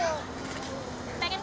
mau kesini lagi gak